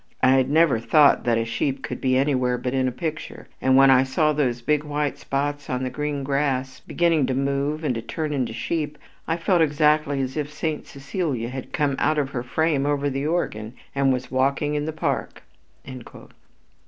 I had never thought that a sheep could be anywhere but in a picture, and when I saw those big white spots on the green grass beginning to move and to turn into sheep, I felt exactly as if Saint Cecilia had come out of her frame over the organ and was walking in the park."